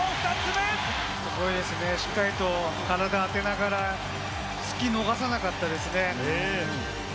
すごいですね、しっかりと体当てながら、隙逃さなかったですね。